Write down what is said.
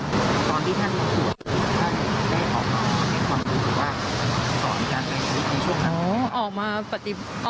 ตอนที่ท่านป่วยท่านได้ออกมาในความรู้ว่ามันสอนการปฏิบัติธรรมช่วงนั้นไหมคะ